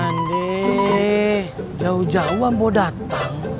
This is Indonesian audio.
pokoknya sudah berbentang